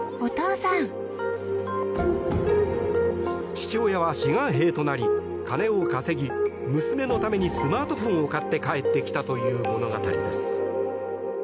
父親は志願兵となり、金を稼ぎ娘のためにスマートフォンを買って帰ってきたという物語です。